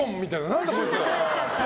何だ、こいつ。